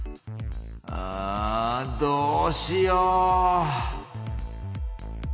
あどうしよう？